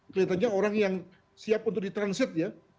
kelihatannya orang yang siap untuk di transit ya